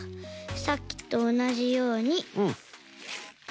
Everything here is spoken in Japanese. さっきとおなじようにぐるっ。